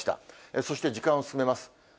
そして時間を進めます。